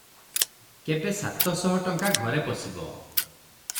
କେବେ ସାତ ଶହ ଟଙ୍କା ଘରେ ପଶିବ ।